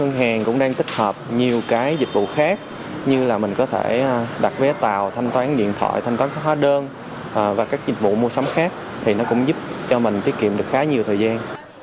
ngoài ra thì một số ngân hàng cũng đang tích hợp nhiều cái dịch vụ khác như là mình có thể đặt vé tàu thanh toán điện thoại thanh toán hóa đơn và các dịch vụ mua sắm khác thì nó cũng giúp cho mình tiết kiệm được khá nhiều thời gian